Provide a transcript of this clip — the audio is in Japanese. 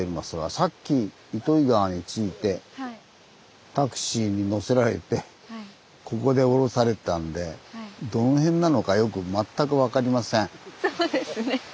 さっき糸魚川に着いてタクシーに乗せられてここで降ろされたんでどの辺なのかよく全く分かりません。